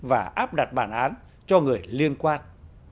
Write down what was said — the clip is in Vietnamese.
và áp đặt bản án cho người liên quan